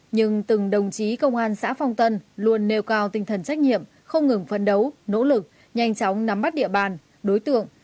nhưng từng đồng chí công an xã phong tân luôn nêu cao tinh thần trách nhiệm không ngừng phấn đấu nỗ lực nhanh chóng nắm bắt địa bàn đối tượng